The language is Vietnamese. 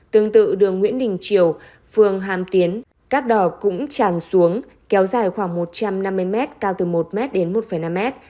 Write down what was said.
tương tự đường nguyễn đình triều phường hàm tiến cát đỏ cũng tràn xuống kéo dài khoảng một trăm năm mươi mét cao từ một m đến một năm mét